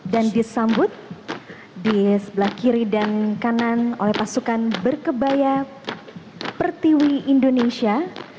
dan disambut di sebelah kiri dan kanan oleh pasukan berkebaya pertiwi indonesia